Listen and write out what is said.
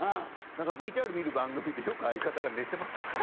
なんかＶＴＲ見る番組でよく相方が寝てますもん。